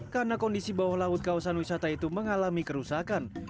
karena kondisi bawah laut kawasan wisata itu mengalami kerusakan